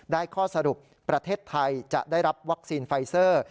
ข้อสรุปประเทศไทยจะได้รับวัคซีนไฟเซอร์